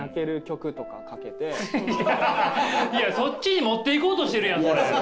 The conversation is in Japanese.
いやそっちに持っていこうとしてるやんこれ！